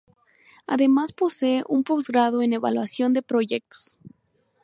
Además posee un posgrado en Evaluación de Proyectos.